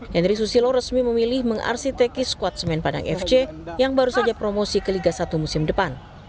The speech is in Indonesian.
henry susilo resmi memilih mengarsiteki skuad semen padang fc yang baru saja promosi ke liga satu musim depan